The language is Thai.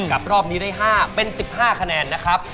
รอบนี้ได้๕เป็น๑๕คะแนนนะครับ